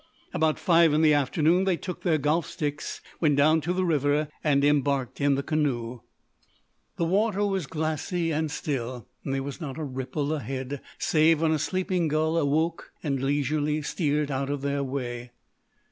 About five in the afternoon they took their golf sticks, went down to the river, and embarked in the canoe. The water was glassy and still. There was not a ripple ahead, save when a sleeping gull awoke and leisurely steered out of their way.